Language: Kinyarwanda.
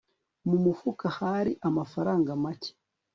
mu mufuka hari amafaranga make